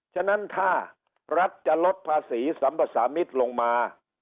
ฉะนั้นถ้ารัฐจะลดภาษีสัมภาษามิตรลงมา